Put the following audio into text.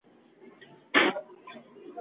آيا هغه له جرمني څخه وتلی دی؟